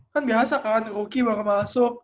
kan biasa kan rookie baru masuk